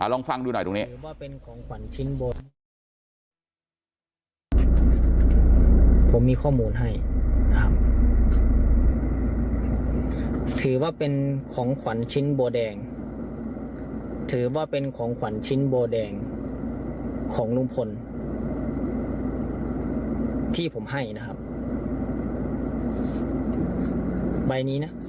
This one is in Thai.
ลองฟังดูหน่อยตรงนี้